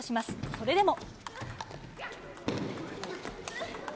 それでも。